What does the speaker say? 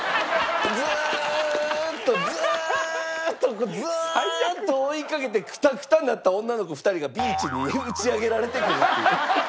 ずーっとずーっとずーっと追いかけてくたくたになった女の子２人がビーチに打ち上げられてくるという。